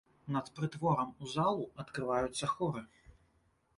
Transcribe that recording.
Над прытворам у залу адкрываюцца хоры.